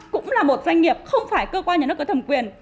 cũng là một doanh nghiệp không phải cơ quan nhà nước có thẩm quyền